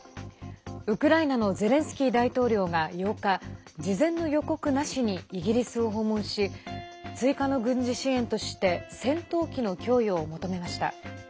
ウクライナのゼレンスキー大統領が８日事前の予告なしにイギリスを訪問し追加の軍事支援として戦闘機の供与を求めました。